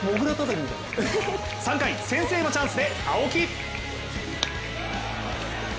３回先制のチャンスで青木。